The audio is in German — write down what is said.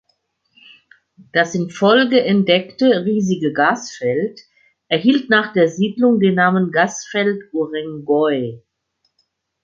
Das in Folge entdeckte riesige Gasfeld erhielt nach der Siedlung den Namen Gasfeld Urengoi.